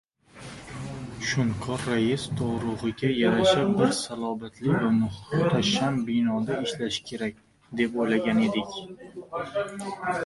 Shunqor rais dovrugʻiga yarasha bir salobatli va muhtasham binoda ishlasa kerak, deb oʻylagan edik.